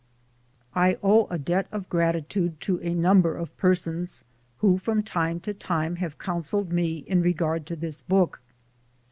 I owe a debt of gratitude to a number of persons who from tune to time have counselled me in regard to this book.